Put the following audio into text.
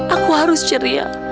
aku harus ceria